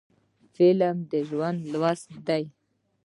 فلم د ژوند لوست دی